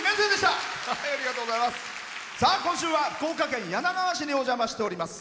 今週は福岡県柳川市にお邪魔しております。